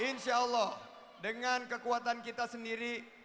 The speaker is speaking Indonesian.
insya allah dengan kekuatan kita sendiri kita akan hadirkan solusi